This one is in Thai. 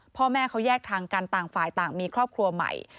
พ่อแม่เขาแยกทางกันต่างฝ่ายต่างมีครอบครัวใหม่